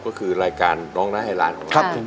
ก็คือรายการร้องได้ให้ร้านของเรา